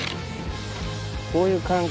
こういう感じ？